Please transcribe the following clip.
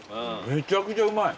めちゃくちゃうまい。